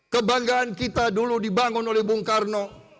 kebanggaan kita dulu dibangun oleh bung karno